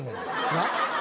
なっ。